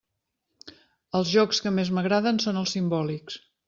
Els jocs que més m'agraden són els simbòlics.